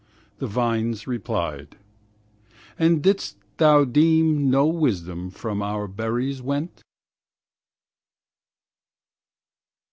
The vines replied, 'And didst thou deem No wisdom from our berries went?'